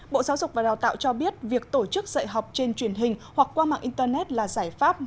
bộ giáo dục và đào tạo cho biết việc tổ chức dạy học trên truyền hình hoặc qua mạng internet là giải pháp